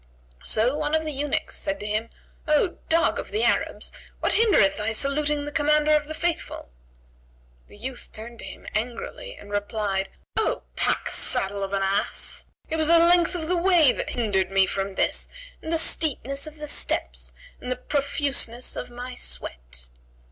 So one of the eunuchs said to him, "O dog of the Arabs, what hindereth thy saluting the Commander of the Faithful?" The youth turned to him angrily and replied, "O packsaddle of an ass, it was the length of the way that hindered me from this and the steepness of the steps and the profuseness of my sweat."